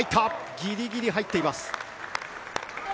ギリギリ入っています。